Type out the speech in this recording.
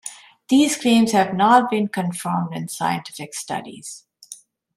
These claims have not been confirmed in scientific studies.